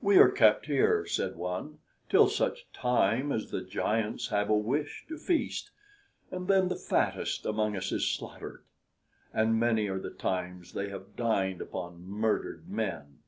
"We are kept here," said one, "till such time as the giants have a wish to feast, and then the fattest among us is slaughtered! And many are the times they have dined upon murdered men!"